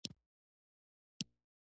جانداد د نرمې موسکا خاوند دی.